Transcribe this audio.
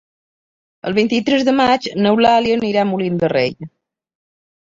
El vint-i-tres de maig n'Eulàlia anirà a Molins de Rei.